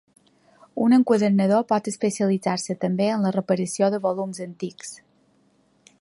Un enquadernador pot especialitzar-se també en la reparació de volums antics.